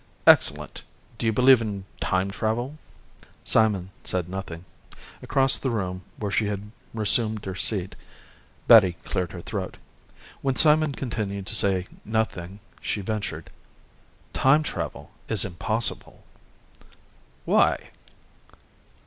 "Excellent. Do you believe in time travel?" Simon said nothing. Across the room, where she had resumed her seat, Betty cleared her throat. When Simon continued to say nothing she ventured, "Time travel is impossible." "Why?"